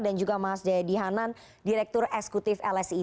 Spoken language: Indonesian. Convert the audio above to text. dan juga mas jayadi hanan direktur eksekutif lsi